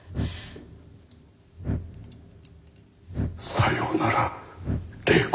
さようなら黎子。